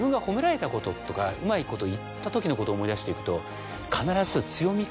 うまいこといったときのこと思い出していくと。